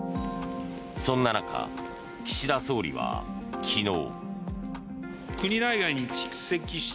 そんな中、岸田総理は昨日。